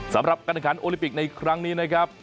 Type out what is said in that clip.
สำหรับการแข่งขันโอลิปิกในครั้งนี้นะครับ